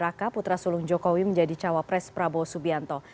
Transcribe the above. ketika gibran raka buming raka putra sulung jokowi menjadi cawapres prabowo subianto